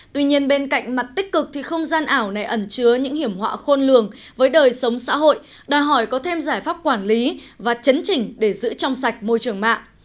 tuy nhiên bên cạnh mặt tích cực thì không gian ảo này ẩn chứa những hiểm họa khôn lường với đời sống xã hội đòi hỏi có thêm giải pháp quản lý và chấn chỉnh để giữ trong sạch môi trường mạng